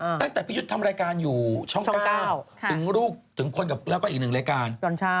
อ่าตั้งแต่พี่ยุทธ์ทำรายการอยู่ช่องเก้าช่องเกล้าค่ะถึงลูกถึงคนกับแล้วก็อีกหนึ่งรายการ